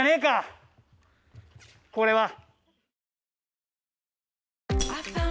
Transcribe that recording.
これは。